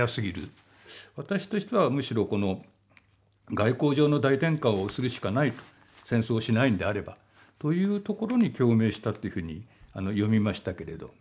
私としてはむしろこの外交上の大転換をするしかないと戦争をしないんであればというところに共鳴したというふうに読みましたけれど。